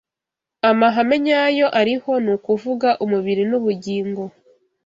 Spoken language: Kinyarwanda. amahame nyayo ariho, ni ukuvuga, Umubiri nubugingo